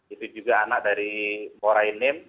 itu juga anak dari morenin